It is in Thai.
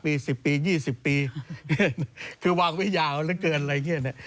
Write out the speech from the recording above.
รออีก๕ปี๑๐ปี๒๐ปีคือวางไว้ยาวเหลือเกินอะไรอย่างนี้